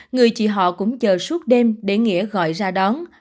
người chị họ cũng chờ suốt đêm để nghĩa gọi ra đón